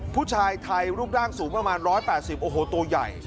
ผู้ชายไทยลูกด้านสูงประมาณ๑๘๐ตัวใหญ่